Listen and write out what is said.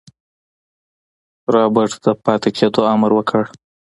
رابرټ د پاتې کېدو امر وکړ.